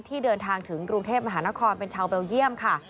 เดินทางถึงกรุงเทพมหานครเป็นชาวเบลเยี่ยมค่ะ